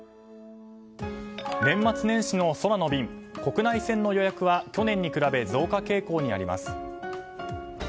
年末年始の空の便国内線の予約は去年に比べ増加傾向にあります。